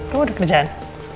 kau udah kerjaan